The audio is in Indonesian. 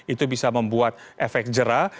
itu bisa membuat efek jerah